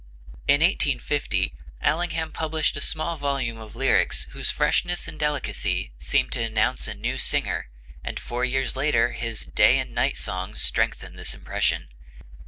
In 1850 Allingham published a small volume of lyrics whose freshness and delicacy seemed to announce a new singer, and four years later his 'Day and Night Songs' strengthened this impression.